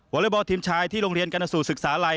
อเล็กบอลทีมชายที่โรงเรียนกรณสูตรศึกษาลัย